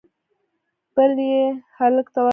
بل یې هلک ته ورکړ